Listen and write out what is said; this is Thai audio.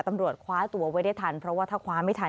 ตำรวจคว้าตัวไว้ได้ทันเพราะว่าถ้าคว้าไม่ทัน